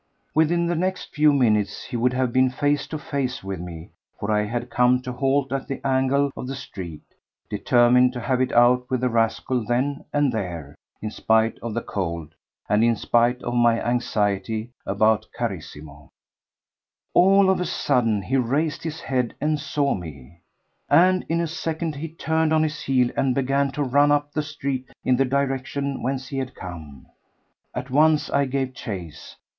Within the next few minutes he would have been face to face with me, for I had come to a halt at the angle of the street, determined to have it out with the rascal then and there in spite of the cold and in spite of my anxiety about Carissimo. All of a sudden he raised his head and saw me, and in a second he turned on his heel and began to run up the street in the direction whence he had come. At once I gave chase.